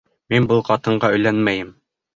Мин был ҡатынға өйләнмәйем!